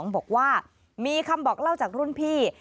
บอกว่ามีคำบอกเล่าจากรุ่นพี่